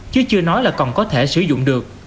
chứ chưa nói là còn có thể sử dụng được